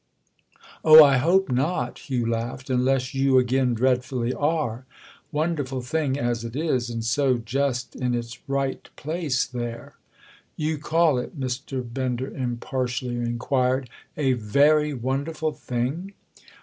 "Oh, I hope not," Hugh laughed, "unless you again dreadfully are: wonderful thing as it is and so just in its right place there." "You call it," Mr. Bender impartially inquired, "a very wonderful thing?"